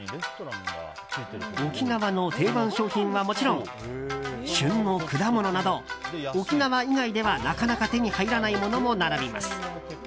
沖縄の定番商品はもちろん旬の果物など沖縄以外では、なかなか手に入らないものも並びます。